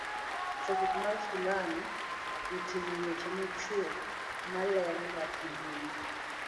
chakruok mar sulano otingo weche machuok ma lero wach maduong'